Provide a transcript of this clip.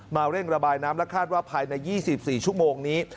เร่งระบายน้ำและคาดว่าภายใน๒๔ชั่วโมงนี้